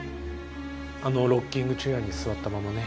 あのロッキングチェアに座ったままね。